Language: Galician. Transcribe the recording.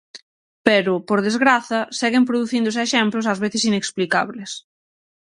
Pero, por desgraza, seguen producíndose exemplos ás veces inexplicables.